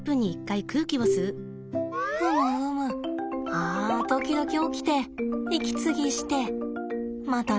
ふむふむあ時々起きて息継ぎしてまた寝るとな。